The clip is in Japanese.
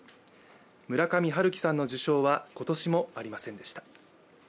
村上春樹さんの受賞は今年もありませんでした。